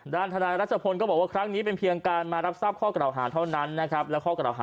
ทนายรัชพลก็บอกว่าครั้งนี้เป็นเพียงการมารับทราบข้อกล่าวหาเท่านั้นนะครับ